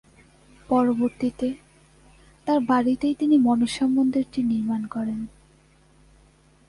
পরবর্তিতে তার বাড়িতেই তিনি মনসা মন্দিরটি নির্মাণ করেন।